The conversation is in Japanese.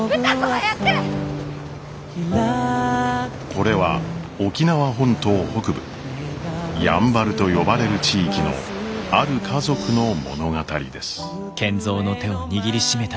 これは沖縄本島北部「やんばる」と呼ばれる地域のある家族の物語です。